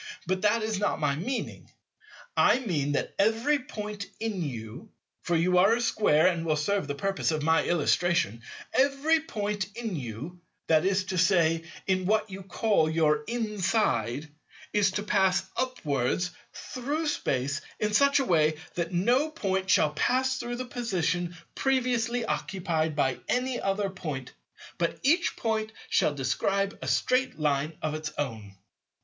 But that is not my meaning. I mean that every Point in you—for you are a Square and will serve the purpose of my illustration—every Point in you, that is to say in what you call your inside, is to pass upwards through Space in such a way that no Point shall pass through the position previously occupied by any other Point; but each Point shall describe a straight Line of its own.